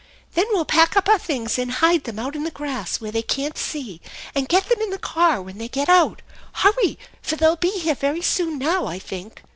Then we'll pack up our things, and hide them out in the grass where they can't see, and get them in the car when they get out. Hurry, for they'll be here very soon now, I think."